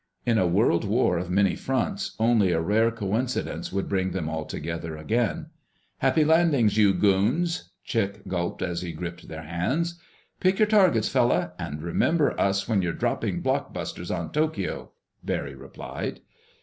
In a world war of many fronts only a rare coincidence would bring them all together again. "Happy landings, you goons!" Chick gulped as he gripped their hands. "Pick your targets, fella—and remember us when you're dropping block busters on Tokyo!" Barry replied.